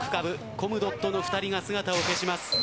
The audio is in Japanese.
コムドットの２人が姿を消します。